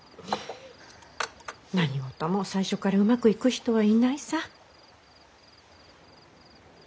何事も最初からうまくいく人はいないさ。